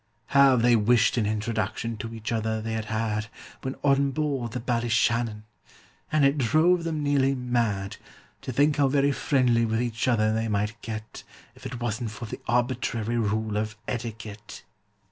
How they wished an introduction to each other they had had When on board the Ballyshannon! And it drove them nearly mad To think how very friendly with each other they might get, If it wasn't for the arbitrary rule of etiquette!